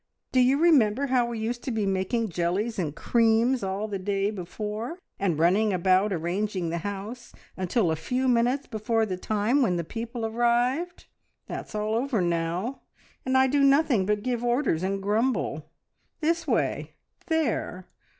Do you remember how we used to be making jellies and creams all the day before, and running about arranging the house until a few minutes before the time when the people arrived? That's all over now, and I do nothing but give orders and grumble. This way! There!